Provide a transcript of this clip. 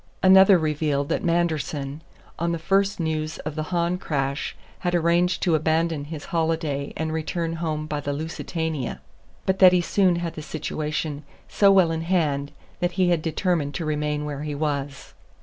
Another revealed that Manderson, on the first news of the Hahn crash, had arranged to abandon his holiday and return home by the Lusitania; but that he soon had the situation so well in hand that he had determined to remain where he was.